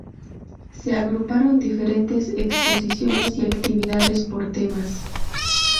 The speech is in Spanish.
Se agruparon diferentes exposiciones y actividades por temas.